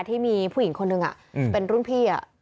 ที่มีผู้หญิงคนหนึ่งเป็นรุ่นพี่